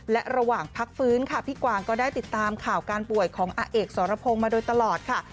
และระหว่างพักฟื้นค่ะพี่กวางก็ได้ติดตามข่าวการป่วยของอาเอกสรพงศ์มาโดยตลอดค่ะ